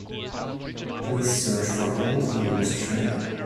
Please search for All the Lovers trailer.